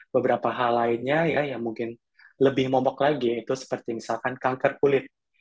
beberapa hal lainnya ya yang mungkin lebih momok lagi itu seperti misalkan kanker kulit